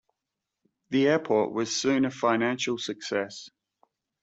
The airport was soon a financial success.